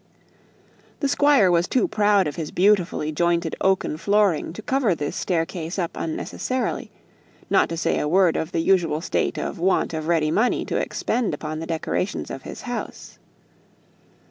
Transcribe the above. The Squire was too proud of his beautifully joined oaken flooring to cover this stair case up unnecessarily; not to say a word of the usual state of want of ready money to expend upon the decorations of his house.